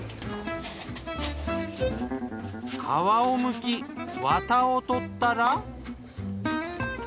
皮をむきワタを取ったら。